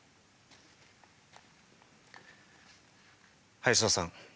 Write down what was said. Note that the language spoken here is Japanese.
林田さん